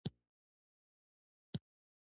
د لیک معنی دا ده چې سید باید په سفرونو پیل کړی وي.